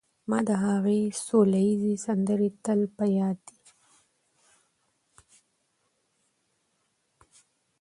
ما د هغې سوله ییزې سندرې تل په یاد دي